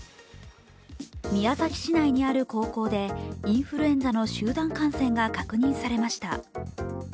宮崎市内にある高校で、インフルエンザの集団感染が確認されました。